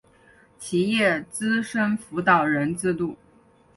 企业资深辅导人制度